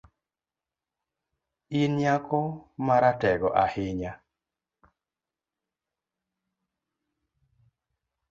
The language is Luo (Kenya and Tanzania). In nyako ma ratego ahinya